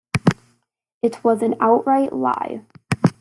It was an outright lie.